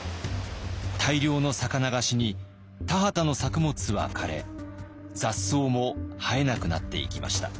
大量の魚が死に田畑の作物は枯れ雑草も生えなくなっていきました。